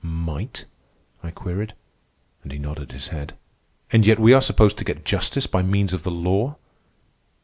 "Might?" I queried; and he nodded his head. "And yet we are supposed to get justice by means of the law?"